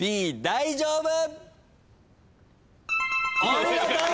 大丈夫！